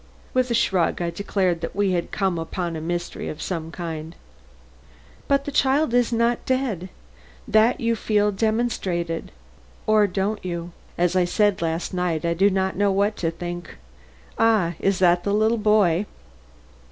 With a shrug I declared that we had come upon a mystery of some kind. "But the child is not dead? That you feel demonstrated or don't you?" "As I said last night, I do not know what to think. Ah; is that the little boy?"